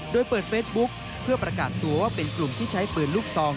โดยเปิดเฟซบุ๊คเพื่อประกาศตัวว่าเป็นกลุ่มที่ใช้ปืนลูกซอง